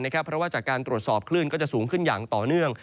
เพราะว่าจากการตรวจสอบคลื่นก็จะสูงขึ้นอย่างต่อเนื่อง